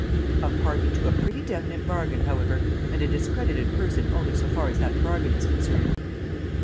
"A party to a pretty definite bargain, however, and a discredited person only so far as that bargain is concerned."